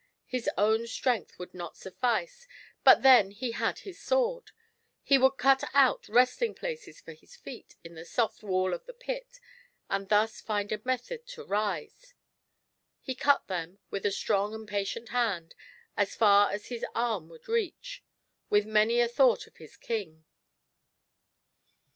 His own strength would not suffice, but then he had his sword; he would cut out resting places for his feet in the soft wall of the pit, and thus find a method to rise. He cut them, with a strong and patient hand, as far as his arm coidd reach, with many a thought of his King.